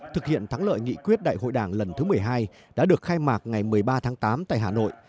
thực hiện thắng lợi nghị quyết đại hội đảng lần thứ một mươi hai đã được khai mạc ngày một mươi ba tháng tám tại hà nội